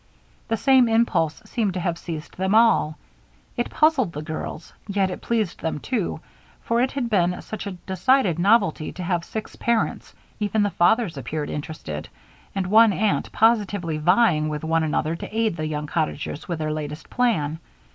The same impulse seemed to have seized them all. It puzzled the girls, yet it pleased them too, for it was such a decided novelty to have six parents (even the fathers appeared interested) and one aunt positively vying with one another to aid the young cottagers with their latest plan.